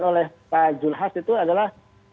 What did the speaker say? oleh pak julkifli hasan itu adalah